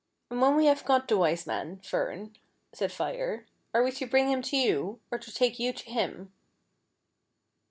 " And when we have got the Wise Man, Fern," said Fire, " are we to bring him to you, or to take you to him